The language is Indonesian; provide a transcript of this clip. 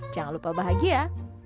jangan lupa bahagia